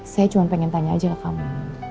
saya cuma pengen tanya aja ke kamu